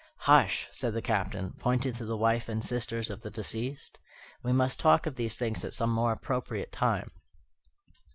"Hush!" said the Captain, pointing to the wife and sisters of the deceased. "We must talk of these things at some more appropriate time."